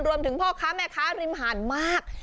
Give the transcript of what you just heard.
รวมถึงพ่อค้าแม่ค้าริมหาดมาก